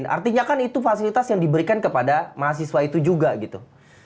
artinya kan itu fasilitas yang diberikan kepada mahasiswa itu juga gitu